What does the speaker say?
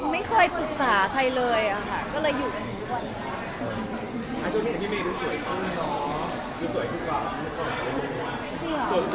ไม่เคยปรึกษาใครเลยอ่ะค่ะก็เลยอยู่กันดีกว่าเลยค่ะ